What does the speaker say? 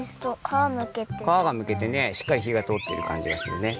かわがむけてねしっかりひがとおってるかんじがするね。